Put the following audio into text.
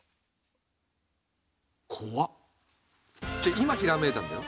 今ひらめいたんだよ？